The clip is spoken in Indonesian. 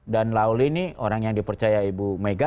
dan lauli ini orang yang dipercaya ibu mega